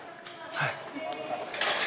はい。